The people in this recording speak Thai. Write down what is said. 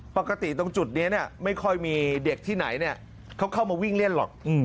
ปกติตรงจุดนี้ไม่ค่อยมีเด็กที่ไหนเขาเข้ามาวิ่งเล่นหรอก